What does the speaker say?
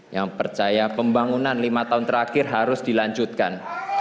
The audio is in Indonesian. yang percaya pembangunan lima tahun terakhir harus dilanjutkan